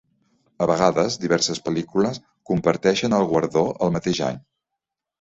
A vegades, diverses pel·lícules comparteixen el guardó el mateix any.